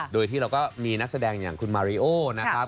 โดยที่เราก็มีนักแสดงอย่างคุณมาริโอนะครับ